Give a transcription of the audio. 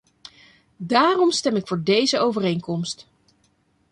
Daarom stem ik voor deze overeenkomst.